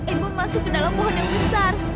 ibu masuk ke dalam pohon yang besar